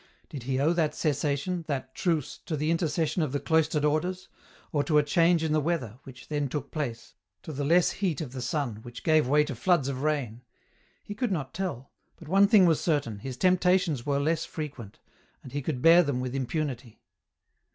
Did he owe that cessation, that truce, to the inter cession of the cloistered Orders, or to a change in the weather, which then took place, to the less heat of the sun, which gave way to floods of rain ? He could not tell, but one thing was certain, his temptations were less frequent, and he could bear them with impunity.